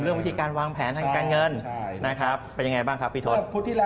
เรื่องวิธีการวางแผนทางการเงินเป็นอย่างไรบ้างครับพี่ทศ